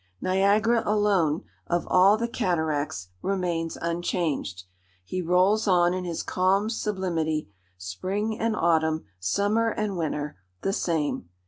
Niagara alone, of all the cataracts, remains unchanged. He rolls on in his calm sublimity, spring and autumn, summer and winter, the same.